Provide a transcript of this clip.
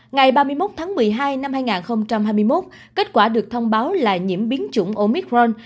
ngày ba mươi một tháng một mươi hai năm hai nghìn hai mươi một kết quả được thông báo là nhiễm biến chủng omicron